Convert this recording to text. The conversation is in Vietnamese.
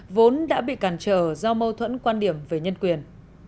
vốn đã bị cản trở do mâu thuẫn quan điểm về nhân quyền